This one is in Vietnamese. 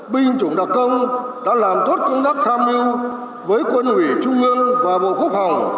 binh chủng đặc công đã làm tốt công tác tham mưu với quân ủy trung ương và bộ quốc phòng